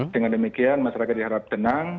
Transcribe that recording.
dengan demikian masyarakat diharap tenang